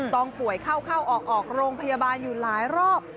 ต้องป่วยเข้าออกโรงพยาบาลอยู่หลายรอบ